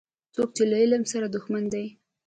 څوک چي له علم سره دښمن دی